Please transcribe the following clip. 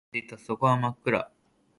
光は途切れていた。底は真っ暗。